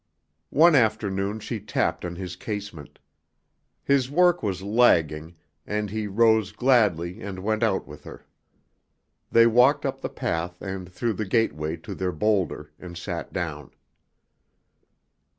One afternoon she tapped on his casement. His work was lagging, and he rose gladly and went out with her. They walked up the path and through the gateway to their boulder, and sat down.